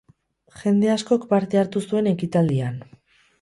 Jende askok parte hartu zuen ekitaldian.